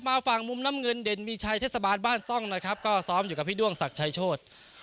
มาฝั่งมุมน้ำเงินเด่นมีชัยเทศบาลบ้านซ่องนะครับก็ซ้อมอยู่กับพี่ด้วงศักดิ์ชัยโชธ